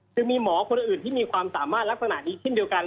จะมีหมอคนอื่นที่มีความสามารถลักษณะนี้เช่นเดียวกัน